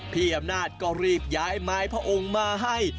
พี่อำนาจก็รีบย้ายไม้พระองค์มาให้